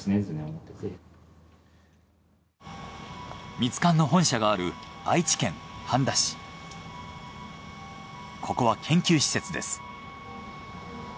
ミツカンの本社があるここは研究施設です。